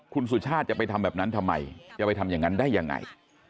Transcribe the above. คุณสุชาติจะไปทำแบบนั้นทำไมจะไปทำอย่างนั้นได้ยังไง